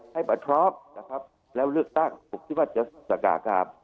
ให้มาพร้อมนะครับแล้วเลือกตั้งผมคิดว่าจะประกาศกราบ